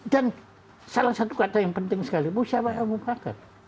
dan salah satu kata yang penting sekali musyarakat